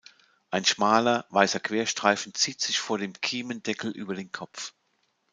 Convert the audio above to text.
Ein schmaler, weißer Querstreifen zieht sich vor dem Kiemendeckel über den Kopf.